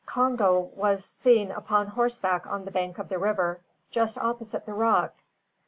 Congo was seen upon horseback on the bank of the river, just opposite the rock.